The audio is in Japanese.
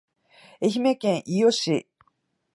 愛媛県伊予市